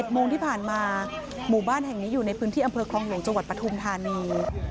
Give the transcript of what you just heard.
โมงที่ผ่านมาหมู่บ้านแห่งนี้อยู่ในพื้นที่อำเภอคลองหลวงจังหวัดปฐุมธานี